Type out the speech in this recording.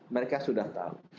mereka sudah tahu